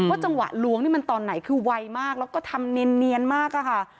จังหวะล้วงนี่มันตอนไหนคือไวมากแล้วก็ทำเนียนมากอะค่ะ